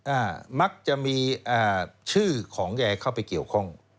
อ่ามักจะมีอ่าชื่อของแกเข้าไปเกี่ยวข้อง